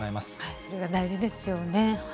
それが大事ですよね。